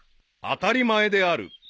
［当たり前である］